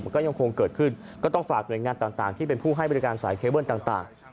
ก็ยังคงเกิดขึ้นก็ต้องฝากหน่วยงานต่างที่เป็นผู้ให้บริการสายเคเบิ้ลต่าง